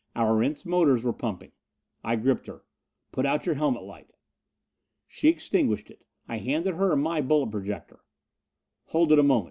Our Erentz motors were pumping. I gripped her. "Put out your helmet light." She extinguished it. I handed her my bullet projector. "Hold it a moment.